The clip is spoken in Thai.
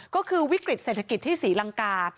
ก็คือวิกฤตเศรษฐกิจที่ศรีลังกา